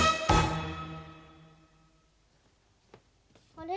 あれ？